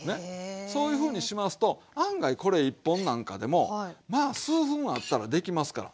そういうふうにしますと案外これ１本なんかでもまあ数分あったらできますから。